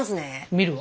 見るわ。